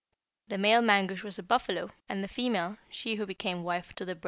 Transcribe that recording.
The male Mangusch was a buffalo, and the female, she who became wife to the brethren.